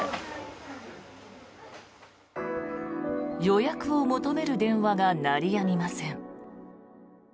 予約を求める電話が鳴りやみません。